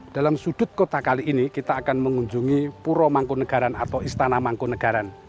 dalam sudut kota kali ini kita akan mengunjungi puro mangkunegaran atau istana mangkunagaran